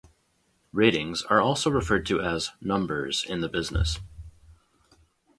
Ratings are also referred to as "numbers" in the business.